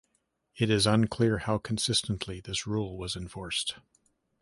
It is unclear how consistently this rule was enforced.